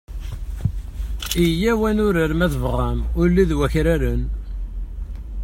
Iyyaw ad nurar, ma tebɣam, ulli d wakraren.